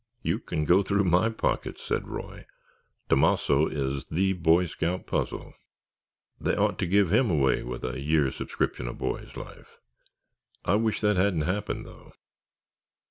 "You can go through my pockets," said Roy. "Tomasso is the Boy Scout puzzle. They ought to give him away with a years subscription to Boys' Life. I wish that hadn't happened, though.